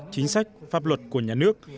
chính sách pháp luật của nhà nước